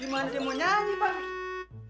gimana dia mau nyanyi bangkit